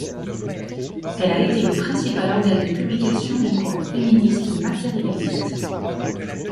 Elle a été le principal organe de publication du courant féministe matérialiste.